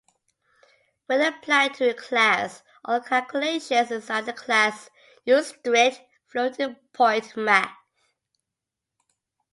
When applied to a class, all calculations inside the class use strict floating-point math.